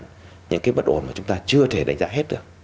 điều đó là những cái bất ổn mà chúng ta chưa thể đánh giá hết được